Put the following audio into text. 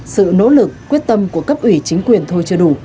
sự nỗ lực quyết tâm của cấp ủy chính quyền thôi chưa đủ